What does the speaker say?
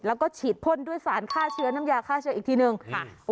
แล้วก็ฉีดพ่นด้วยสารฆ่าเชื้อน้ำยาฆ่าเชื้ออีกทีหนึ่งค่ะ